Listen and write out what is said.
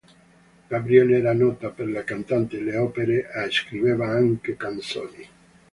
Gabriel era nota per le cantate e le opere e scriveva anche canzoni.